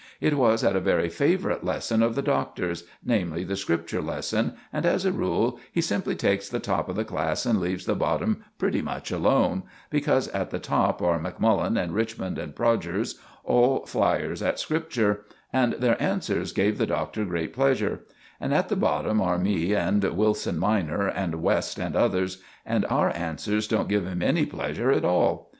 It was at a very favourite lesson of the Doctor's—namely, the Scripture lesson, and, as a rule, he simply takes the top of the class and leaves the bottom pretty much alone, because at the top are Macmullen and Richmond and Prodgers, all fliers at Scripture, and their answers give the Doctor great pleasure; and at the bottom are me and Willson minor and West and others, and our answers don't give him any pleasure at all.